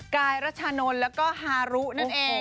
กายรัชานนท์แล้วก็ฮารุนั่นเอง